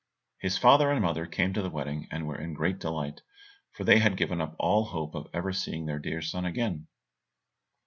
His father and mother came to the wedding, and were in great delight, for they had given up all hope of ever seeing their dear son again.